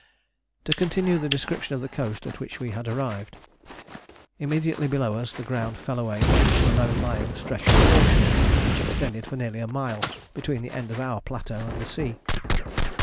To continue the description of the coast at which we had arrived: immediately below us the ground fell away to a low lying stretch of foreshore, which extended for nearly a mile between the end of our plateau and the sea.